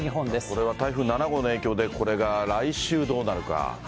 これは台風７号の影響で、これが来週どうなるか。